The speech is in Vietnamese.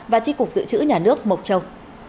và tri cục dự trữ nhà nước mộc châu